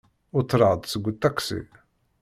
Uṭreɣ-d seg uṭaksi.